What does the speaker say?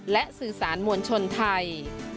และสื่อสารมวลชนไทย